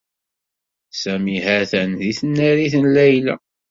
Sami ha-t-an deg tnarit n Layla.